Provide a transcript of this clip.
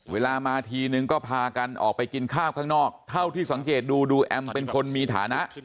เวลามาทีนึงก็พากันออกไปกินข้าวข้างนอกเท่าที่สังเกตดูดูแอมเป็นคนมีฐานะ